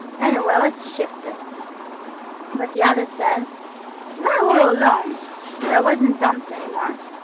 Any way, let's shift it.' But the other said, 'Let well alone,' so I wasn't dumped any more.